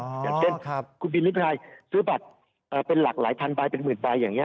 อ๋ออย่างเช่นครับคุณบินริภัยซื้อบัตรเอ่อเป็นหลากหลายพันบาทเป็นหมื่นบาทอย่างเงี้ย